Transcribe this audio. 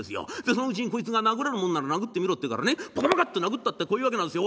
そのうちにこいつが殴れるもんなら殴ってみろって言うからねポカポカッと殴ったってこういうわけなんですよ